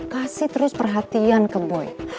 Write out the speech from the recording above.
kasih terus perhatian ke boy